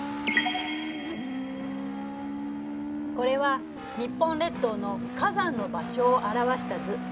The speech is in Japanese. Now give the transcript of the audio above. これは日本列島の火山の場所を表した図。